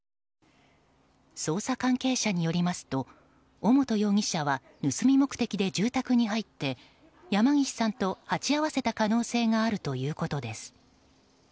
捜査関係者によりますと尾本容疑者は盗み目的で住宅に入って山岸さんと鉢合わせた可能性があるということです。